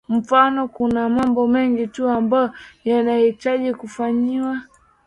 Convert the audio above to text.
mfano kuna mambo mengi tu ambayo yanahitajiwa kufanyiwa